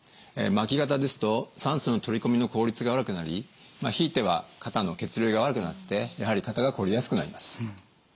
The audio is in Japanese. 巻き肩ですと酸素の取り込みの効率が悪くなりひいては肩の血流が悪くなってやはり肩がこりやすくなります。